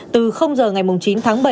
từ giờ ngày chín tháng bảy